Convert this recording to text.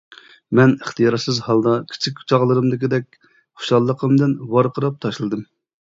مەن ئىختىيارسىز ھالدا كىچىك چاغلىرىمدىكىدەك خۇشاللىقىمدىن ۋارقىراپ تاشلىدىم.